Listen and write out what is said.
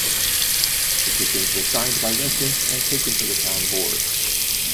Petitions were signed by residents and taken to the Town Board.